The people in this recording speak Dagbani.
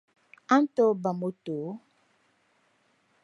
a ni tooi ba moto?